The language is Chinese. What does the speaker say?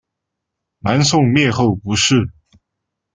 南宋灭后不仕。